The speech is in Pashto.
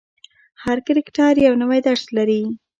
هر کرکټر یو نوی درس لري.